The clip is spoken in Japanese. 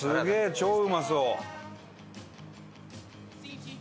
超うまそう！